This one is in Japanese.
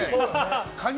カニ